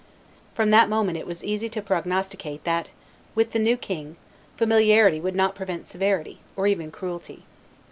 From that moment it was easy to prognosticate that with the new king familiarity would not prevent severity, or even cruelty.